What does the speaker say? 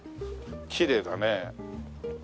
きれいだね。